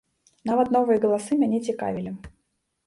Нават новыя галасы мяне цікавілі.